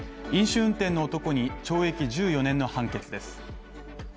飲酒運転の男に懲役１４年の判決です。